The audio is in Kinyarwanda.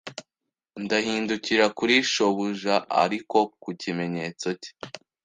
Ndahindukira kuri shobuja ariko ku kimenyetso cye